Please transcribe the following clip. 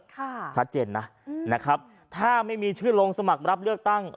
ค่ะชัดเจนนะอืมนะครับถ้าไม่มีชื่อลงสมัครรับเลือกตั้ง